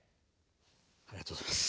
ありがとうございます。